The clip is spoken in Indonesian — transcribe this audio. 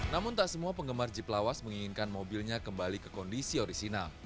namun tak semua penggemar jeep lawas menginginkan mobilnya kembali ke kondisi orisinal